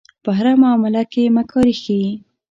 په هره معامله کې مکاري ښيي.